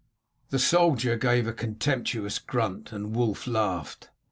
The soldier gave a contemptuous grunt, and Wulf laughed.